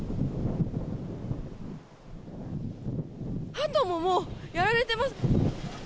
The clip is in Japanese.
ハトももう、やられてます。